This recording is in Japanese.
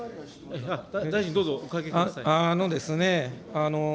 大臣、どうぞ、おかけください。